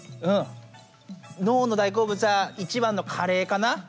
うん脳の大好物は１ばんのカレーかな？